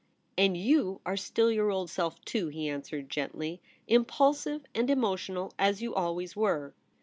* And you are still your old self, too,' he answered gently —* impulsive and emotional as you always were.'